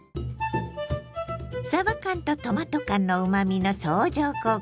さば缶とトマト缶のうまみの相乗効果が最強！